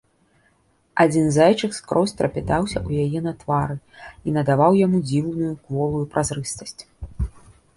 Адзін зайчык скрозь трапятаўся ў яе на твары і надаваў яму дзіўную кволую празрыстасць.